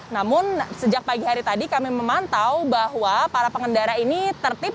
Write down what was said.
namun sejak pagi hari tadi kami memantau bahwa para pengendara ini tertib